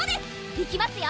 行きますよ